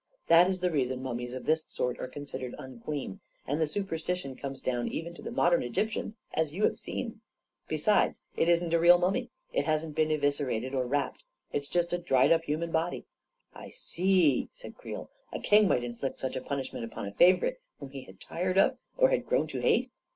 That is the reason mummies of this sort are considered unclean ; and the superstition comes down even to the modern Egyptians, as you have seen. A KING IN BABYLON 161 Besides, it isn't a real mummy — it hasn't been evis cerated or wrapped. It's just a dried up human body*." " I see/ 9 said Creel " A king might inflict such a punishment upon a favorite whom he had tired of, or had grown to hate?